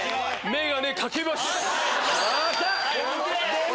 眼鏡掛けます！